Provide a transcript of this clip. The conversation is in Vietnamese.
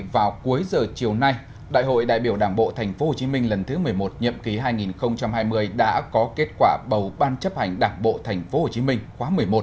vào cuối giờ chiều nay đại hội đại biểu đảng bộ tp hcm lần thứ một mươi một nhậm ký hai nghìn hai mươi đã có kết quả bầu ban chấp hành đảng bộ tp hcm khóa một mươi một